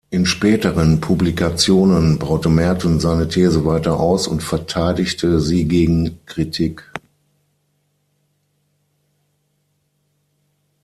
In späteren Publikationen baute Merton seine These weiter aus und verteidigte sie gegen Kritik.